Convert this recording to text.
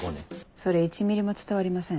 それ１ミリも伝わりません。